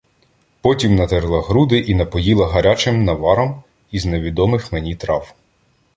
Потім натерла груди і напоїла гарячим наваром із невідомих мені трав.